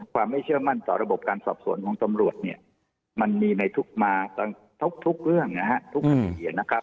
ความไม่เชื่อมั่นต่อระบบการสอบสวนของตำรวจเนี่ยมันมีในทุกเรื่องทุกคดีนะครับ